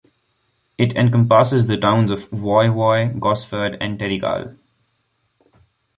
It encompasses the towns of Woy Woy, Gosford and Terrigal.